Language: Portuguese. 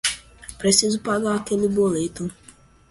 preciso pagar aquele boleto